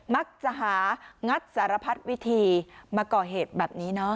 มักจะหางัดสารพัดวิธีมาก่อเหตุแบบนี้เนอะ